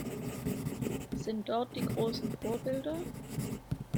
Sind dort die großen Vorbilder?